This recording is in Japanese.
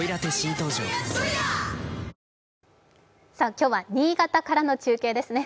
今日は新潟からの中継ですね。